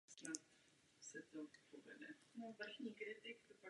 Jedná se o specificky jedinou vyhlídkovou věž ve městě.